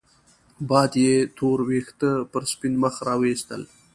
باد يې تور وېښته پر سپين مخ راوستل